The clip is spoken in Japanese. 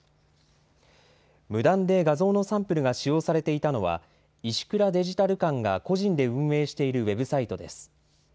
無断で画像のサンプルが使用されていたのは、石倉デジタル監が個人で運営しているウェブサイトです。